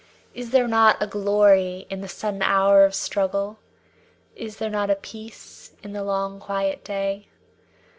Is there not a glory in the sudden hour of struggle? Is there not a peace in the long quiet day?